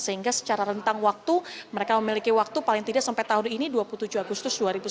sehingga secara rentang waktu mereka memiliki waktu paling tidak sampai tahun ini dua puluh tujuh agustus dua ribu sembilan belas